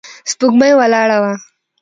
سپوږمۍ ولاړه وه.